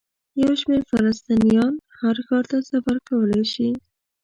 یو شمېر فلسطینیان هر ښار ته سفر کولی شي.